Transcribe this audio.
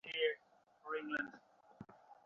ক্লাসের number one ছাত্রী আমার নায়না!